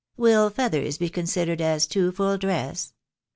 WiU feathers be considered as too full dress